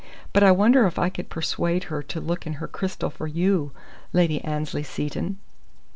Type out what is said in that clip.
But I wonder if I could persuade her to look in her crystal for you, Lady Annesley Seton?